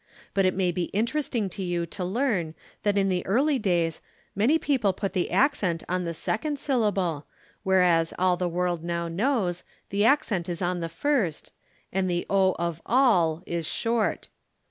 But it may be interesting to you to learn that in the early days many people put the accent on the second syllable, whereas all the world now knows, the accent is on the first, and the "o" of "ol" is short.